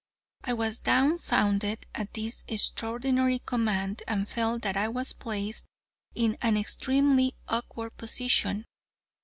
I was dumbfounded at this extraordinary command and felt that I was placed in an extremely awkward position.